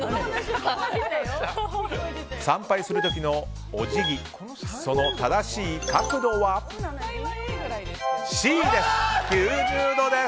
参拝する時のお辞儀その正しい角度はＣです。